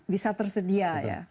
bisa tersedia ya